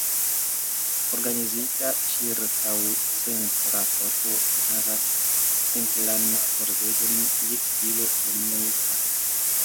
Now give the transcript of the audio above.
Organizita ĉirkaŭ centra korto, ĝi havas simplan pordegon je stilo dominika.